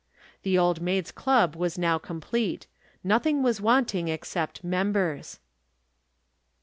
The Old Maids' Club was now complete. Nothing was wanting except members.